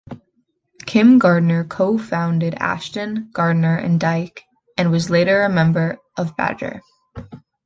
Kim Gardner co-formed Ashton, Gardner and Dyke and was later a member of Badger.